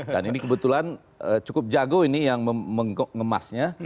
dan ini kebetulan cukup jago ini yang mengemasnya